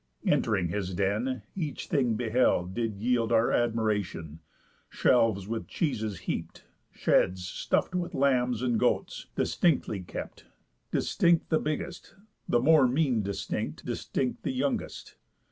Ent'ring his den, each thing beheld did yield Our admiration; shelves with cheeses heap'd; Sheds stuff'd with lambs and goats, distinctly kept, Distinct the biggest, the more mean distinct, Distinct the youngest.